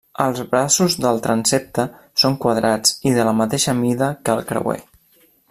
Els braços del transsepte són quadrats i de la mateixa mida que el creuer.